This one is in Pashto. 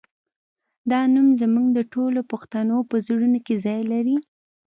دا نوم زموږ د ټولو پښتنو په زړونو کې ځای لري